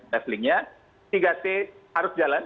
leveling nya tiga c harus jalan